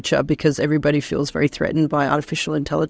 karena semua orang merasa sangat menyerang oleh kecerdasan artifisial